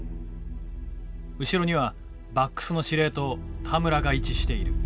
後ろにはバックスの司令塔田村が位置している。